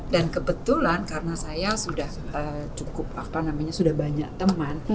dan kebetulan karena saya sudah cukup apa namanya sudah banyak teman